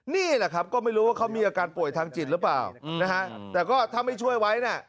นี่แหละครับก็ไม่รู้ว่าเขามีอาการป่วยทางจิตหรือเปล่านะฮะแต่ก็ถ้าไม่ช่วยไว้น่ะ